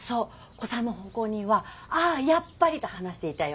古参の奉公人は「あやっぱり」と話していたよ。